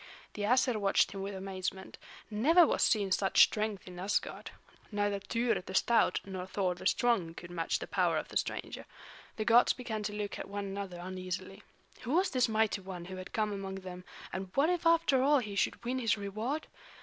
The Æsir watched him with amazement; never was seen such strength in Asgard. Neither Tŷr the stout nor Thor the strong could match the power of the stranger. The gods began to look at one another uneasily. Who was this mighty one who had come among them, and what if after all he should win his reward?